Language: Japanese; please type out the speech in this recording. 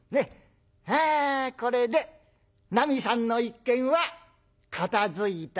ああこれでなみさんの一件は片づいたね」。